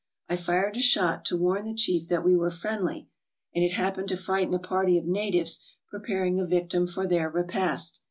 I fired a shot to warn the chief that we were friendly, and it happened to frighten a party of natives preparing a victim for their repast.